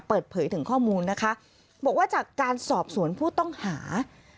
เปิดเผยถึงข้อมูลนะคะบอกว่าจากการสอบสวนผู้ต้องหา